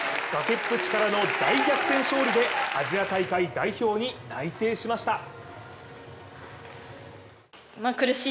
崖っぷちからの大逆転勝利でアジア大会代表に内定しました。